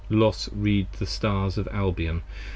Los reads the Stars of Albion !